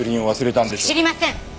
知りません！